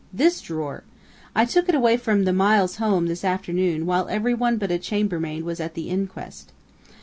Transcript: "This drawer! I took it away from the Miles home this afternoon while everyone but a chambermaid was at the inquest.